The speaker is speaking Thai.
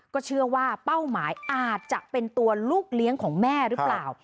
ก็เชื่อว่าเป้าหมายอาจจะเป็นตัวลูกเลี้ยงของแม่หรือเปล่า